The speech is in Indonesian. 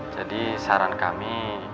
jadi saran kami